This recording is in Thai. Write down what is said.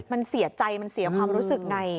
มันเสียใจมันเสียความรู้สึกไง